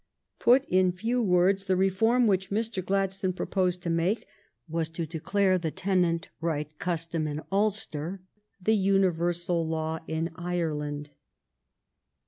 Put in few words, the reform which Mr. Gladstone proposed to make was to declare the tenant right custom in Ulster the universal law in Ireland.